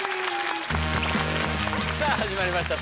さあ始まりました